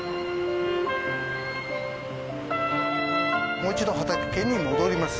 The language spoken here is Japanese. もう一度畑に戻ります。